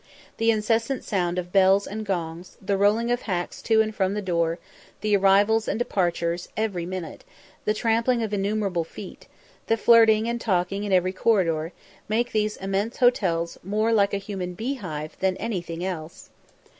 The incessant sound of bells and gongs, the rolling of hacks to and from the door, the arrivals and departures every minute, the trampling of innumerable feet, the flirting and talking in every corridor, make these immense hotels more like a human beehive than anything else.